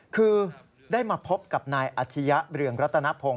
คือได้มาพบกับนายอาชียะเรืองรัตนพงศ